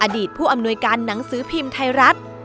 ผู้อำนวยการหนังสือพิมพ์ไทยรัฐ